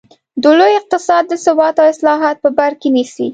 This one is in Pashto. د لوی اقتصاد د ثبات اصلاحات په بر کې نیسي.